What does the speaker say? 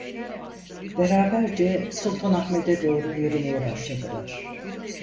Beraberce Sultanahmet’e doğru yürümeye başladılar.